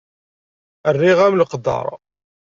Rriɣ-am leqder.